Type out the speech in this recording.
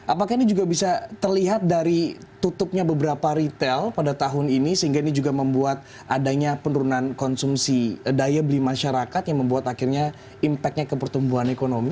apakah ini juga bisa terlihat dari tutupnya beberapa retail pada tahun ini sehingga ini juga membuat adanya penurunan konsumsi daya beli masyarakat yang membuat akhirnya impact nya ke pertumbuhan ekonomi